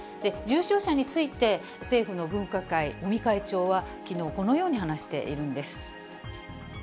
重症者について、政府の分科会、尾身会長はきのう、このように話しているんです。